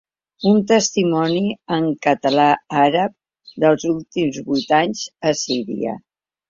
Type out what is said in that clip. Un testimoni en català-àrab dels últims vuit anys a Síria.